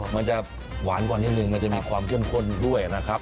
มันจะหวานกว่านิดนึงมันจะมีความเข้มข้นด้วยนะครับ